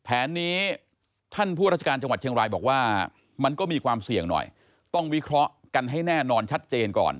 แผนนี้ท่านผู้ราชการจังหวัดเชียงรายบอกว่ามันก็มีความเสี่ยงหน่อยต้องวิเคราะห์กันให้แน่นอนชัดเจนก่อน